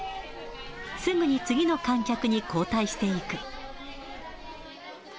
すぐに次の観客に交代していく。